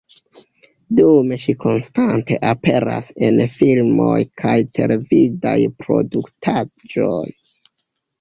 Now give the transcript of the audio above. Dume ŝi konstante aperas en filmoj kaj televidaj produktaĵoj.